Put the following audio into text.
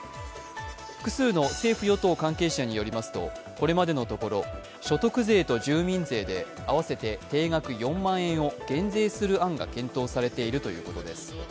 複数の政府・与党関係者によりますとこれまでのところ所得税と住民税で合わせて定額４万円を減税する案が検討されているということです。